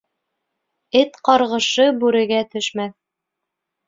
Эт ҡарғышы бүрегә төшмәҫ.